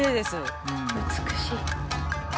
美しい。